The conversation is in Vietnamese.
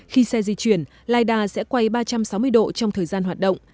khi xe di chuyển lidar sẽ quay ba trăm sáu mươi độ trong thời gian hoạt động